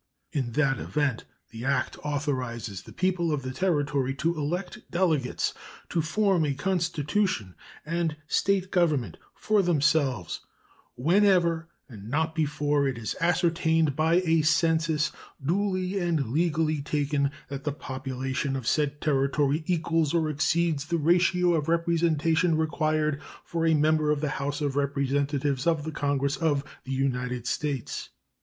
In that event the act authorizes the people of the Territory to elect delegates to form a constitution and State government for themselves "whenever, and not before, it is ascertained by a census, duly and legally taken, that the population of said Territory equals or exceeds the ratio of representation required for a member of the House of Representatives of the Congress of the United States."